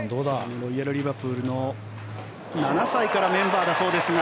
ロイヤル・リバプールの７歳からメンバーだそうですが。